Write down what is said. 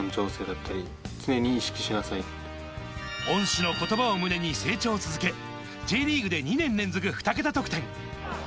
恩師の言葉を胸に成長を続け、Ｊリーグで２年連続２桁得点。